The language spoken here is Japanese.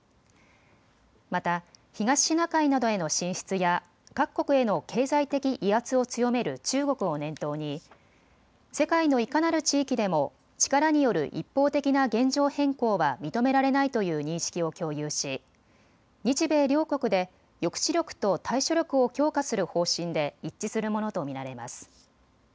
また東シナ海などへの進出や各国への経済的威圧を強める中国を念頭に世界のいかなる地域でも力による一方的な現状変更は認められないという認識を共有し日米両国で抑止力と対処力を強化する方針で一致するものと見られます。